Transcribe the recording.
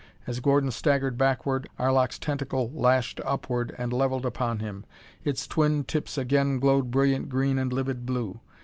As Gordon staggered backward, Arlok's tentacle lashed upward and levelled upon him. Its twin tips again glowed brilliant green and livid blue.